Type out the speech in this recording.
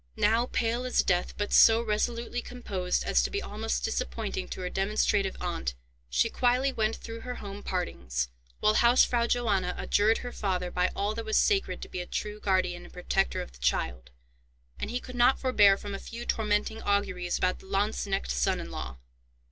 Now pale as death, but so resolutely composed as to be almost disappointing to her demonstrative aunt, she quietly went through her home partings; while Hausfrau Johanna adjured her father by all that was sacred to be a true guardian and protector of the child, and he could not forbear from a few tormenting auguries about the lanzknecht son in law.